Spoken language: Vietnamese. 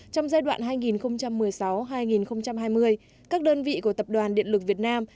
trong giai đoạn hai nghìn một mươi sáu hai nghìn hai mươi các đơn vị của tập đoàn điện lực việt nam